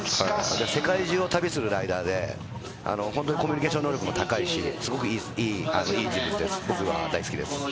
世界中を旅するライダーで、コミュニケーション能力も高いし、すごくいい人物です。